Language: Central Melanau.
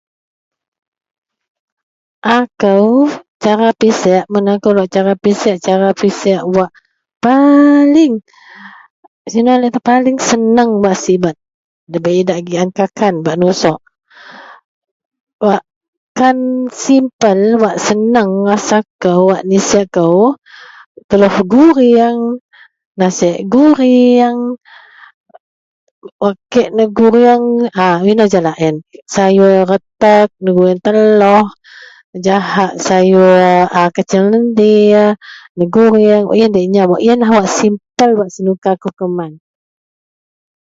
Akou, cara piseak, mun akou lok cara piseak cara piseak wak paling, inou seinou.. [unintelligible] paling seneng bak sibet, ndabei idak gian kakan bak nusuok. Wakkan simpel, wak senang rasa kou, wak niseak kou, teloh gurieng, nasiek gurieng, wak kek negurieng, ha inou jalak yen, sayuor retek negurieng teloh jegahak sayuor ha kaseang lendir negurieng, wak yen diyak nyam. Wak yenlah wak simpel wak senuka kou keman.